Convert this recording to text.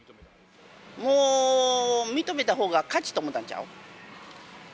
もう認めたほうが勝ちと思ったんちゃう？